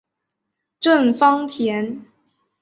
郑芳田。